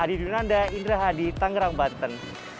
adi dunanda indra hadi tangerang banten